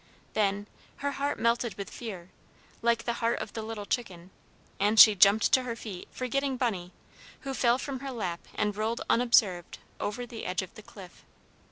Then her heart melted with fear, like the heart of the little chicken, and she jumped to her feet, forgetting Bunny, who fell from her lap, and rolled unobserved over the edge of the cliff.